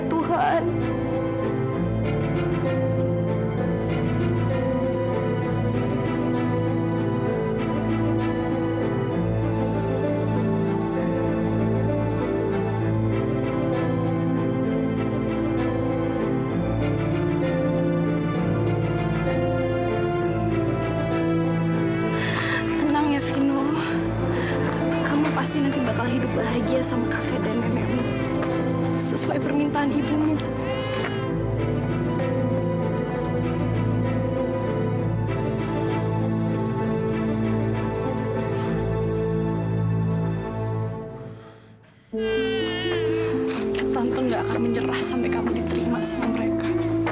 tantung gak akan menyerah sampai kamu diterima sama mereka